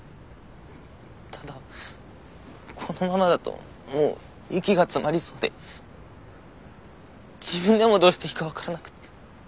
ただこのままだともう息が詰まりそうで自分でもどうしていいかわからなくて。